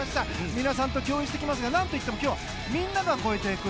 皆さんと共有していきますが何といっても今日はみんなが超えていく。